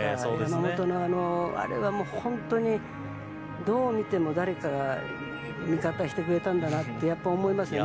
山本のあれは本当にどう見ても誰かが味方してくれたんだなって思いますよね。